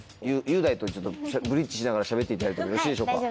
雄大とブリッジしながらしゃべっていただいてもよろしいでしょうか？